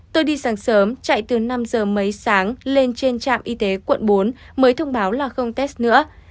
tôi đi sáng sớm chạy từ năm giờ mấy sáng lên trên trạm y tế quận bốn mới thông báo là không test nữa